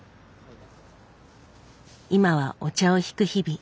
今はお茶をひく日々。